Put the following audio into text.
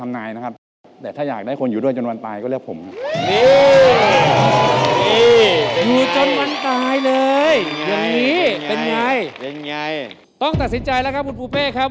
ต้องตัดสินใจแล้วครับคุณปูเป้ครับ